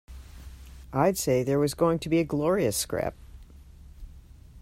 I'd say there was going to be a glorious scrap.